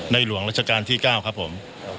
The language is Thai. หลวงราชการที่๙ครับผม